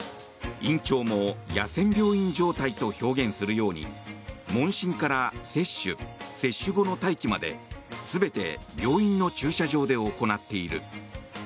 院長も野戦病院状態と表現するように問診から接種、接種後の待機まで全て病院の駐車場で行っている。